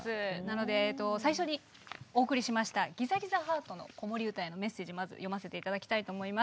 なので最初にお送りしました「ギザギザハートの子守唄」へのメッセージまず読ませて頂きたいと思います。